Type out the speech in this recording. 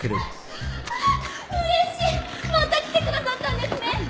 また来てくださったんですね。